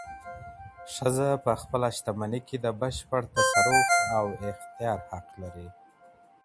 ښځه پخپله شتمني کي د بشپړ تصرف او اختیار حق لري.